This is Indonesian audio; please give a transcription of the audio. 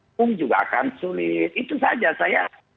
hukum juga akan sulit itu saja saya